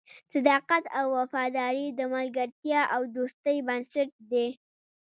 صداقت او وفاداري د ملګرتیا او دوستۍ بنسټ دی.